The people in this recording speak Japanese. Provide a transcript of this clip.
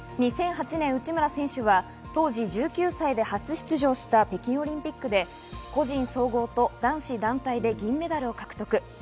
２００８年、内村選手は当時１９歳で初出場した北京オリンピックで個人総合と男子団体で銀メダルを獲得。